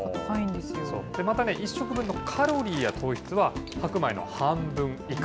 またね、１食分のカロリーや糖質は白米の半分以下。